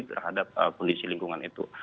terhadap kondisi lingkungan itu